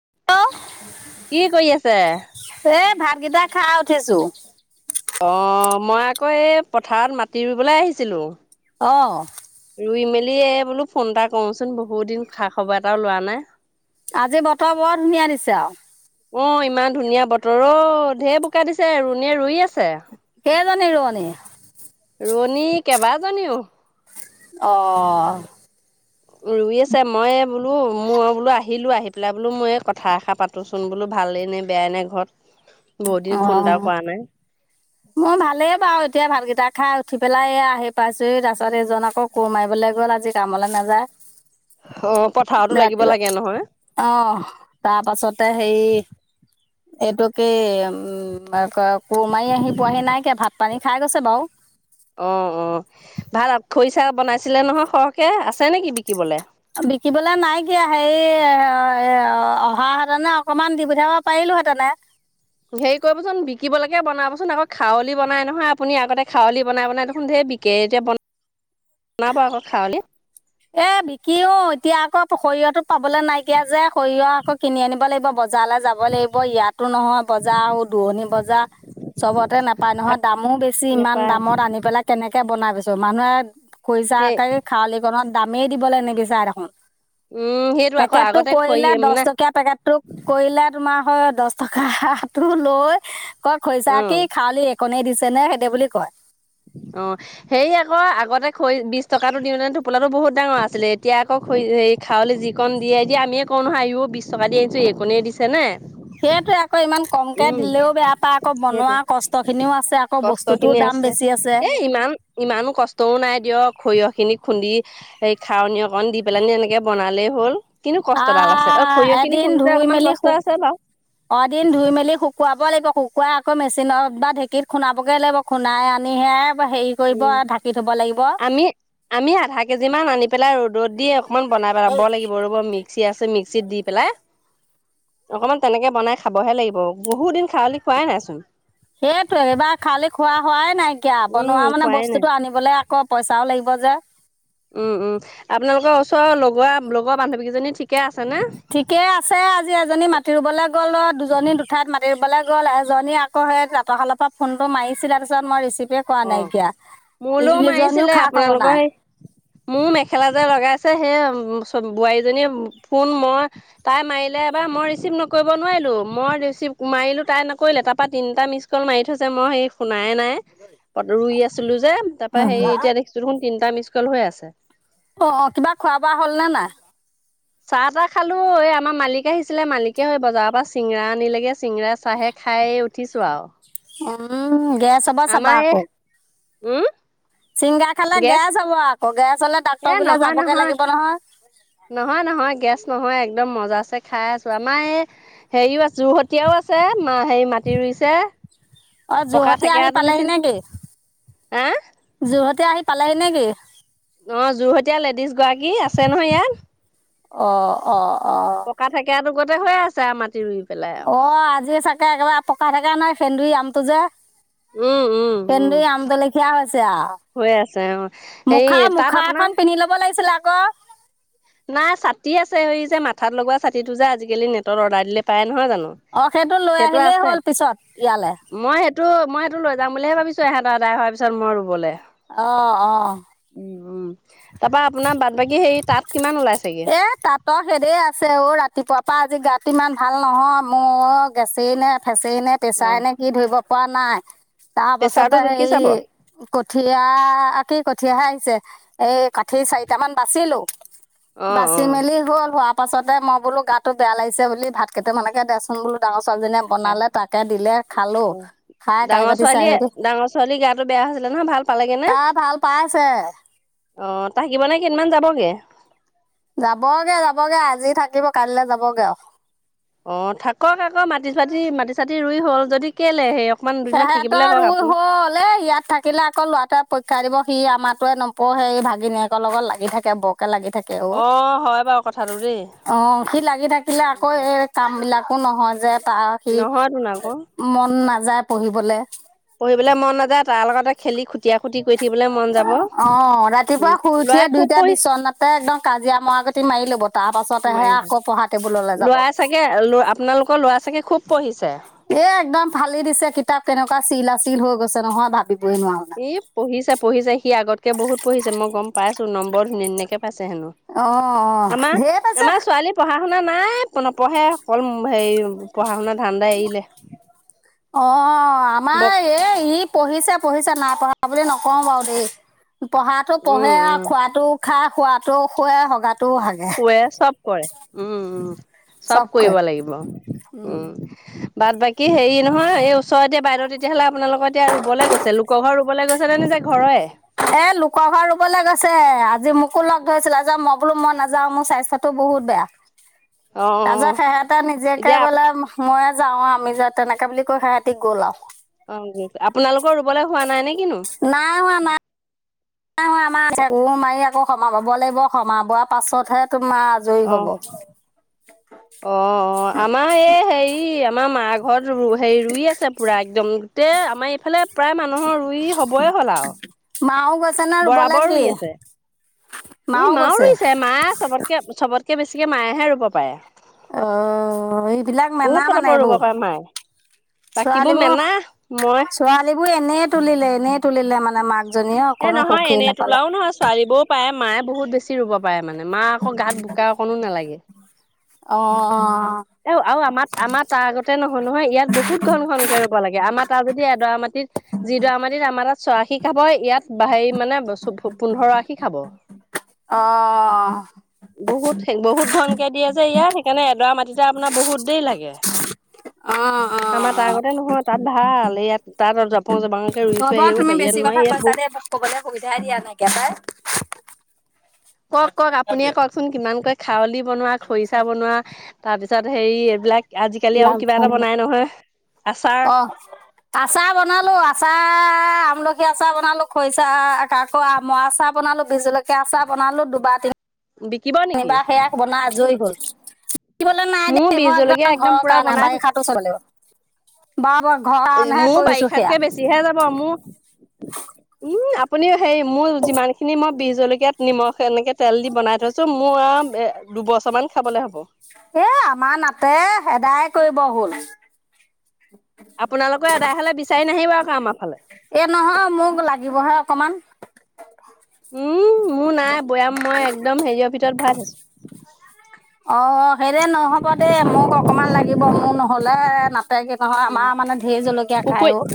[unintelligible] কি কৰি আছে? এ ভাতকেইটা খাই উঠিছো। অ মই আকৌ এই পথাৰত মাটি ৰুবলৈ আহিছিলো। অ। [unintelligible] ৰুই মেলি বোলো ফোন এটা কৰমচোন বহুত দিন খা খবৰ এটাও লোৱা নাই। আজি বতৰ বৰ ধুনীয়া দিছে আৰু। অ ইমান ধুনীয়া বতৰ অ ঢেৰ বোকা দিছে ৰুণীয়ে ৰই আছ কেইজনি ৰোৱনী? ৰোৱনী কেইবাজনিও। অ। ৰুই আছে মই বোলো মোৰ বোলো আহি আহিলোঁ আহিেলাই বোলো মই এই কথা এষাৰ পাতোঁচোন বোলো ভালেই নে বেয়াই নাই ঘৰত বহুত দিন ফোন এটা কৰা নাই। মই ভালেই বাৰু এতিয়া ভাতকেইটা খাই উঠি পেলাই আহি পাইছোহ তাৰ পাছত এজন আকৌ কোৰ মাৰিবলৈ। গ'ল আজি কামলৈ নাযায় অ', পথাৰতো লাগিব ৰাতিপুৱা লাগে নহয় অ তাৰ পাছতে হেই এইটোকে উম ক কোমাৰি আহিব পোৱাহি নাইকিয় ভাত পানী খাই গৈছে বাৰু। অ, অ ভাল খৰিচা বনাইছিলে নহয় সৰহকে আছে নেকি বিকিবলৈ? বিকিবলে নাই কিয়া হেৰি ও অহা সাধানে অকমান দি পঠিয়াব পাৰিল [unintelligible] তেনে হেৰি কৰিবচোন বিকিবকে বনাবচোন আকৌ খাৱলি বনাই নহয় আপুনি আগতে খাউলি বনাই বনাই দেখোন ধেৰ বিকে [unintelligible] ব বনাব আকৌ খাউলি এ বিকিও এতিয়া আকৌ সৰিয়হতো পাবলে নাইকিয়া যে সৰিয়হ আকৌ কিনি আনিব লাগিব। বজাৰলৈ যাব লাগিব ইয়াতো নহয় বজাৰ আৰু দুৰণি বজাৰ চবতে নাপায় নহয় দামো বেছি ইমান নেপায় দামত আনি পেলাই কেনেকে বনাই পিছো মানুহে সেই খুৰিছাকে খাৱলীকণত দামেই দিবলৈ নিবিচা দেখোন। উম সেইটো আকৌ পেকেটটো আগতে খৰি কৰিলে দশ মানে টকীয়া পেকেট টো কৰিলে তোমাৰ হয় দহ টকা টো লৈ ক খছা অ কি খাৱালি কনেই দিছে নে সেহতে বুলি কয়। অ সে আকৌ আগতে খৰি বিশ টকাটো দিওঁ মানে টোপোলাতটো বহুত ডাঙৰ আছিলে এতিয়া আকৌ হেৰি খাৰয়লি যিকণ দিয়ে দিয়ে আমিয়ে কওঁ নহয় ইও বিশছ টকা দি আহিছোঁ এইকণেই দিছেনে? সেইটো এক কৈ ইমান কমকৈ দিলেও বেয়া পায় আকৌ সেইটো বনোৱা কষ্টখিনিও আছে। আকৌ কষ্ট বস্তুটোও খিনি দাম বেছি আছে। এ ইমান ইমানো কষ্টও নাই দিয়ক সৰিয়হ। খিনি খুন্দি স খাৱনী অকণ দি পেলান এনেকে বনালেই হ'ল। কিন্তু কষ্টডাল আছে অ আহ সৰিয়হখিনি এদিন খুন্দোতে ধুই অকমান মেলি কষ্ট শু আছে বাৰু। খুুৱাব লাগিব কুকুৰা আকৌ মেচিনত বা ঢেঁকীত খুনাবগে লাগিব খুনাই আনিহে হেৰি কৰিব উম ঢাকি থ'ব লাগিব আমি আমি আধা কেজি মান আনি পেলাই ৰদ ৰ'দ দি অকনমান বনাই পেলাব লাগিব ৰ'ব মিক্সি আছে মিক্সিত দি পেলাই অকনমান তেনেকে বনাই খাবহে লাগিব বহুত দিন খাৰৱলি খোৱাই নাইচোন। সেইটো এইবাৰ খালি খোৱা হোৱাই নাইকিয়া উম বনোৱা মানে খোৱাই নাই বস্তুতটো আনিবলৈ আকৌ পইচাও লাগিব। বজাৰ উম উম আপোনালোকৰ ওচৰৰ লগৰা লগৰ বান্ধৱীকেইজনী ঠিকে আছে ঠিকেই আছে আজি এজনী মাতি ৰুবলৈ গ'ল ও দুজনী দুঠাইত মাতি। ওলাই গ'ল এজনী আকৌ সেই তাঁতৰশালৰ পৰা ফোনটো মাৰিছিলে তাৰপিছত মই ৰিচিভ তে কোৱা অ নাইকিয়া মোলৈও এইকেজনীও মাৰিছিলে খা খবৰ আপোনালোকৰ নাই। সেই মোৰ মেখেলা যে লগাইছে সেই [unintelligible] বোৱাৰীজনীয়ে ফোন মই তাই মাৰিলে এবাৰ মই ৰিচিভ নকৰিব নোৱাৰিলো মই ৰিচিভ মাৰিলো তাই নকৰিলে তাৰ পৰা তিনিটা মিছ কল মাৰি থৈছে মই সেই ফোন নাই-নাই ৰুই আছিলো যে তাৰ পৰা হেৰি এতিয়া দেখিছো তিনটা মিচ কল হৈ আছে। অ', অ', কিবা খোৱা বোৱা হ'ল নে নাই? চাহ তাহ খালো এই আমাৰ মালিকে আহিছিলে মালিকে হয় বজাৰৰ পৰা চিঙৰা আনিলেগে। চিঙৰা চাহে খাই উঠিছো আৰু উম গেছ হ'ব চবা আমাৰ এই আকৌ। উম। চিংৰা খালে গেছ হব আকৌ গে এ নহয় নহয় নহয় নহয়, গেছ নহয়। একদম মজাছে খাই আছো আমাৰ এই হেৰিও আছে যোৰহতীয়াও আছে। মা হেৰি মাটি ৰুইছে অ' পকা যোহতি আহি থেকেৰাটো পালেহি নিচিনা নেকি হা যোহত তেতিয়া আহি পালেহি নেকি? অ', যোৰহতীয়া লেডিজ গৰাকী আছে নহয় ইয়াত, অ অ অ পকা থেকেঁৰাতো। আগতে হৈয়ে আছে আৰু মাটি ৰুই পেলাই আৰু অ', আজি চাগে একেবাৰে পকা থাকা নাই সেন্দুৰী আমটো যে উম উম উম সেন্দুৰী আমটো লেখীয়া হৈছে আৰু। হৈ আছে অ হেৰি মুখা, তাত মুখা আপোনাৰ এখন পিন্ধি ল'ব লাগিছিলে আকৌ। নাই ছাতি আছে হেৰি যে মাথাত লগোৱা ছাতিটো যে আজিকালি নেটত অৰ্ডাৰ দিলে পায়। নহয় জানো অ লৈ সেইটো আহিলেই আছে হ'ল পিছত ইয়ালে মই সেইটো তো মই সেইটো লৈ যাম বুলিহে ভাবিছোঁ এহতৰ আদাই হোৱাৰ পিছত মই ৰুবলে। অ', অ'। তাৰ পৰা আপোনাৰ বাদবাকী হেৰি তাত কিমান ওলাইছেগে? এ তাতৰ হেৰি আছে অ', ৰাতিপুৱা পৰা আজি ইমান ভাল নহয় মোৰ গেছে নে ফেচে নে অ প্ৰেছাৰ নে কি ধৰিব পৰা নাই। তাৰ প্ৰেছাৰটো পাছতে জুখি হেৰি চাব কঠিঁয়া কি কঠিঁয়াহে আহিছে। এই কাঠিৰ চাৰিটামান বাচিলো। অ অ বাচি মেলি হ'ল হোৱাৰ পাছতে মই বোলো গাটো বেয়া লাগিছে বুলি ভাতকেইটা মানেকে দেচোন বোলো ডাঙৰ ছো ছোৱালীজনীয়ে বনালে তাকে দিলে খালো। ডাঙৰ ছোৱালীয়ে ডাঙৰ ছোৱালীৰ গাটো বেয়া হৈছিলে নহয় ভাল পালেগে নে। অ', তাই ভাল পাইছে থাকিব নে কেইদিনমান যাবগে। যাবগে যাবগে আজি থাকিব কাইলৈ যাবগে। অ', থাকক আকৌ মাটি চাতি মাটি চাতি ৰুই হল যদি কেলে সেই অকমান দুদিনমান থাকিবলৈ সেহেঁতৰ কওক ৰুই আপুনি হ'ল এ ইয়াত থাকিলে আকৌ ল'ৰাটোৱে পই শিকাই দিব সি আমাৰটোৱে নপঢ়ে সেই ভাগিনীয়েকৰ লগত লাগি থাকে ব লাগি থাকে অ', হয় বাৰু কথাটো দেই অ', সি লাগি থাকিলে আকৌ এই কাম বিলাক একো নহয় যে তাৰ, সি নহয়তোন আকৌ মন নাযায় পঢ়িবলে। পঢ়িবলৈ মন নাযায় তাৰ লগতে খেলি খু অ', ৰাতিপুৱা উম শুই উঠিয়ে লৰাই খুব দুইটা পঢ়ি বিচনাতে একদম কাজিয়া মৰা গতি মাৰি ল'ব তাৰ পাছতেহে আক পঢ়া টেবুললে যাব। ল'ৰাই চাগে আপোনালোকৰ ল'ৰা ছাগে খুব পঢ়িছে? এ একদম ফালি দিছে কিতাপ কেনেকুৱা চিলা চিল হৈ গৈছে নহয় ভাক ই পঢ়িছে পঢ়িছে সি আগতকে বহুত পঢ়িছে মই গম পাইছোঁ নম্বৰ ধোনী-ধুনীয়াকে পাইছে হেনো, অঁ অঁ আমাৰ, ঢেৰ পাইছে আমাৰ ছোৱালী পঢ়া পঢ়া শুনা নাই নপঢ়ে অকল হেৰি, পঢ়াশুনাৰ ধানদাই এৰিলে। অ আমাৰ বক এই ই পঢ়িছে পঢ়িছে নাই পঢ়া বুলি নকওঁ বাৰু দেই। পঢ়াতো উম পঢ়ে উম আৰু খোৱাটো খাই শুৱাটো শুৱে হগাটো হাগে। শুৱে চব কৰে, উম উম চব কৰিব লাগিব, উম। বাট বাকী হেৰি নহয় এই ওচৰতে এতিয়া বাহিৰৰ তেতিয়াহ'লে আপোনালোকৰ এতিয়া ৰুবলৈ গৈছে লোকৰ ঘৰত ৰুবলৈ গৈছে নে ঘৰৰে এ লোকৰ ঘৰত ৰুবলৈ গৈছে। আজি মোকো লগ ধৰিছিল যে মই বোলো মই নাযাও মোৰ স্বাস্থ্যতো বহুত বেয়া। অ অ তাজহ খেহেতে নিজেকে এতিয়া বোলে মইয়ে যাওঁ আমি যে তেনেকে বুলি কৈ সেহঁতিক গ'ল আও। [unintelligible] আপোনালোকৰ ৰুবলৈ হোৱা নাই নেকি বাৰু? নাই হোৱা নাই নাই হোৱা আমা [unintelligible] গও মাৰি আকৌ সমা বাব লাগিব সমমাবোৱা পাছতহে তোমাৰ আজৰি অ', হব অ, অ, আমাৰ এ হেৰি আমাৰ মা ঘৰত হেৰি ৰুই আছে পুৰা একদম গোটেই আমাৰ এইফালে প্ৰায় মানুহৰ ৰুই হবই হ'ল আৰু মাও গৈছে নে ৰুবলৈ বৰাবৰ ৰুই কি আছে, ই মাও ৰুইছে মা চবতকে-চবতকে বেছি কি মায়েহে ৰুব পাৰে। অ', এইবিলাক মানা বহুত মানে পতাপত ৰুব এইবোৰ। পাৰে মায়ে বাকীবোৰ ছোৱালীবোৰ মেনা মই ছোৱালীবোৰ এনে তুলিলে এনে তুলিলে মানে মাক এ নহয় এনে তোলাও নহয় ছোৱালীবও পায়। মায়ে বহুত বেছি ৰুব পাৰে মানে মা আকৌ গাত বোকা অকণো নালাগে। অহ' এ আৰু আমাৰ আমাৰ তাৰ কতে নহয় নহয় ইয়াত বহুত ঘন ঘন কে ৰুব লাগে আমাৰ তাৰ যদি এডৰা মাটিত। যি যিডৰা মাটিত আমাৰ। ছয় আশী খাব ইয়াত হেৰি মানে পোন্ধৰ আশী খাব। অ' বহুত বহুত ঘনকে দিয়ে যে ইয়াত সেইকাৰণে এডৰা মাটিতে আপোনাৰ বহুত দেৰি লাগে। অহ অহ অহ। তাতে নহয় তাত ভাল ইয়াত তাত জপং জপাং হ'ব তুমি বেছি কথা কৈছা দেই মোক ক'বলৈ সুবিধাই দিয়া নাই একেবাই কওঁক কওঁক আপুিয়ে কওঁকচোন কিমান কয়। খাউলি বনোৱা, খৰিচা বনোৱা তাৰ পিছত হেৰি এইবিলাক আজিকালি আৰু কিবা এটা বনাই নহয়। আচাৰ অ' আছাৰ বনালোঁ আছাৰ আমলখি আচাৰ বনালোঁ, খৰিচাহ আকৌ আমৰ আচাৰ বনালোঁ, বিহ জলকীয়া আছাৰ বনালোঁ দুবাৰ তিনি বিকিব নেকি এইবা সেয়া বনাই আজৰি হল। বেছিবলৈ নাই মোৰ দেই বিহ মই জলকীয়া একদম ঘৰৰ পুৰা কাৰণে বনাই বাৰিষাটো চলিব। বাৰু বাৰু ঘৰৰ কাৰণেহে মোৰৰ কৰিছো সেয়া বাৰিষাতকে বেছিহে যাব মোৰ ওম আপুনিও হেৰি মোৰ যিমানখিনি মই বি জলকীয়াত নিমখ এনেকে তেল দি বনাই থৈছোঁ মোৰ আও। এ দুবছৰ মান খাবলে হ'ব। এ আমাৰ নাটে এদাই কৰিব হল। আপোনালোকৰ এদাই হলে বিচাৰি নাহিব আকৌ আমাৰ ফালে। এই নহয় মোক লাগিবহে অকমান। উম মোৰ নাই বৈয়াম মই একদম হেৰিয়ৰ ভিতৰত ভৰাই থৈছো। অ' সেইৰে নহ'ব দেই, মোক অকমান লাগিব, মোৰ নহ'লে নাতে গৈ নহয় আমাৰ মানে ঢেৰ জলকীয়া খাই পুখুৰীত অ'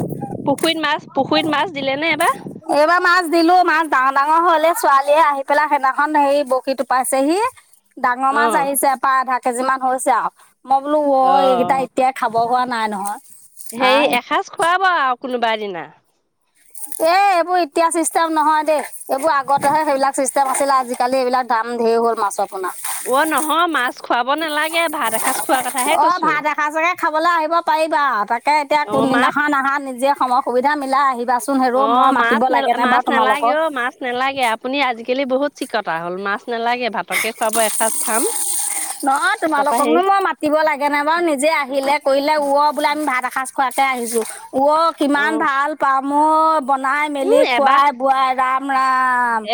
পুখুৰীত মাছ পুখুৰীত মাছ দিলে নে। এবাৰ এইবাৰ মাছ দিলো মাছ ডাঙৰ ডাঙৰ হল, এই ছোৱালীয়ে আহি পেলাই সেইদিনাখন হে বৰশী টোপাইছেহি ডাঙৰ অ মাছ আহিছে, প্ৰায় আধা কেজি মান হৈছে আৰু মই বোলো ও অ এইকেইটা এতিয়া খাব হোৱা নাই নহয়, হেৰি আহ এসাঁজ খুৱাব আৰু কোনোবা এদিনা এই এইবোৰ এতিয়াৰ চিষ্টেম নহয় দেই, এইবোৰ আগতেহে সেইবিলাক চিষ্টেম আছিলে আজিকালি এইবিলাক দাম ধেৰ হ'ল মাছত। অ, নহয় মাছ খোৱাব নালাগে, ভাত এসাঁজ খোৱাৰ কথাহে অ কৈছো। ভাত এসাঁজকে খাবলৈ আহিব পাৰিবা, তাকে এতিয়া অ মাছ কোনদিনাখন আহা নিজে সময় সুবিধা মিলাই আহিবা। অ মাছ, মাছ নালাগে ও মাছ নালাগে আপুনি আহিব। কেইলৈ বহুত চিকতা হ'ল মাছ নালাগে ভাতকে খুৱাব এসাঁজ খাম নহয়, তাৰপা তোমালোককনো হেৰি মই মাতিব লাগে নাই বাৰু, নিজে আহিলে কৰিলে বোলে আমি ভাত এসজ খোৱাকে আহিছোঁ অহ অ কিমান ভাল পাম অহ। বনাই মেলি উম এবাৰ খোৱাই বোৱাই ৰাপ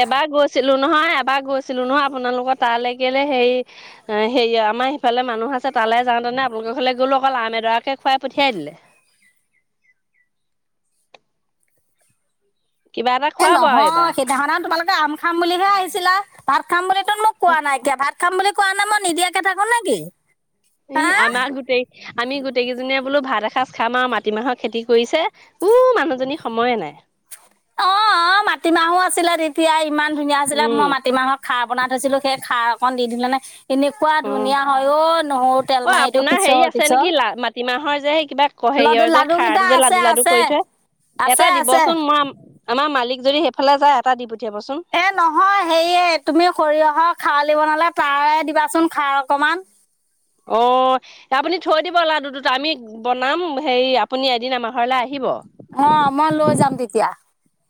এবাৰ গৈছিল। গৈছিলোঁ নহয়, এবাৰ গৈছিলোঁ নহয় আপোনালোকৰ তালৈ কেলেই হেৰি হেৰি আমাৰ ইফালে মানুহ আছে, তালে যাওঁতেনে মলগ ফালে গ'লো অকল আম এডৰাকে [unintelligible] খুৱাই পঠিয়াই দিলে কিবা এটা এই খুৱাব আৰু নহয়, এইবাৰ সেইদিনাখন তোমালোকে আম খাম বুলিহে আহিছিলা, ভাত খাম বুলিতো মোক কোৱা নাইকিয়া ভাত খাম বুলি কোৱা নাই মই নিদিয়াকে থাকো নেকি হা ই আমাৰ গোটেই, আমি গোটেই কেইজনীয়ে বোলো ভাত এসাঁজ খাম আৰু মাটিমাহৰ খেতি কৰিছে উহ মানুহজনীৰ সময়ে নাই। অহ। অহ, মাটিমাহো আছিলে তেতিয়া ইমান ধুনীয়া হৈছিলে মই উম মাটিমাহৰ খাৰ বনাই থৈছিলো, সেই খাৰ অকণ দিদিলা নে। এনেকুৱা অ ধুনীয়া হয় অই নহৰু তেল অ মাৰি দিও আপোনাৰ হেৰি পিছল আছে পিছল নেকি লা মাটিমাহৰ যে সেই কিবা লাডু হেৰিয়ৰ যে খাৰটো লাডুকেইটা যে আছে লাডু লাডু আছে। কৰি থয় আছে এটা আছে দিবচোন মই আমাৰ মালিক যদি সেইফালে যায় এটা দি দিব। এ নহয় সেয়ে তুমি সৰিয়হৰ [unintelligible] খাৱলি বনালে তাৰে দিবাচোন খাৰ অকমান অহ আপুনি থৈ দিব লাডু দুটা, আমি বনাম হেৰি আপুনি এদিন আমাৰ ঘৰলে আহিব। অহ মই লৈ যাম তেতিয়া।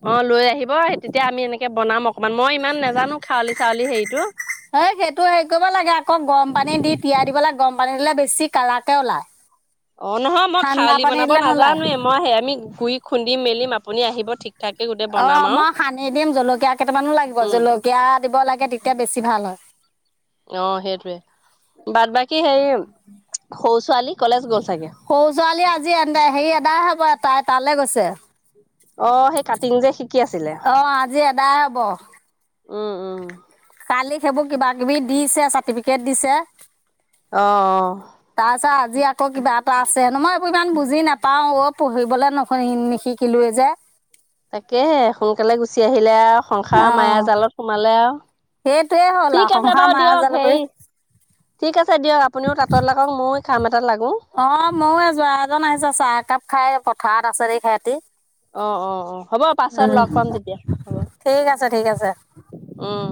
অহ লৈ আহিব, তেতিয়া আমি এনেকে বনাম অকমান, মই ইমান নাজানো। খাৱলি চাউলি হেৰিটো অহ সেইটো হেৰি কৰিব লাগে আকৌ গৰম পানী দি তিয়াই দিব লাগে। গৰম পানী হলে বেছি কালাকে ওলায়। অহ নহয় মই ঠাণ্ডা খউলি পানী বনাব দিলে নোলায় নাজানোৱে মই- আমি ঘুৰি খুন্দিম মেলিম আপুনি আহিব ঠিক ঠাকে গোটেই অহ, বনাম আৰু মই সানি দিম জলকীয়া কেইটামানো লাগিব, উম জলকীয়া দিব লাগে তেতিয়া বেছি ভাল হয়। অহ সেইটোৱে, বাদ বাকী হেৰি সৰু ছোৱালী কলেজ গল চাগে সৰু ছোৱালী আজি এ হেৰি এদাই হব, তাই তালৈ গৈছে। অহ সেই কাটিং যে খি অহ, আজি এদাই হব। উম উম। কালি সেইবোৰ কিবা কিবি দিছে, চাৰ্টিফিকেট দিছে অহ অহ। তাৰপিছত আজি আকৌ কিবা এটা আছে, মই এইবোৰ ইমান বুজি নাপাও অ পঢ়িবলে নিশিকিলো যে তাকেহে, সোনকালে গুচি আহিলে আৰু সংসাৰৰ মায়া অঁ জালত সোমালে আৰু সেইটোৱে হ'ল ঠিক আৰু আছে সংসাৰ বাৰু মায়া দিয়ক, জাল কৰি হেৰি ঠিক আছে দিয়ক আপুনিও তাঁতত লাগক মইও অহ ময়ো, এই যোৱা এজন আহিছে চাহ একাপ খাই পথাৰত আছে যে সিহঁতি অ অ অ হ'ব পাছত উম লগ পাম তেতিয়া ঠিক আছে ঠিক আছে। অহ।